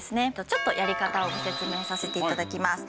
ちょっとやり方をご説明させて頂きます。